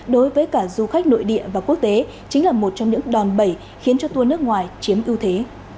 đối với cả du khách nội địa và quốc tế chính là một trong những đòn bẩy khiến cho tour nước ngoài chiếm ưu thế